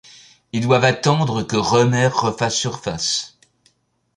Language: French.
Ils doivent attendre que Rhoemer refasse surface.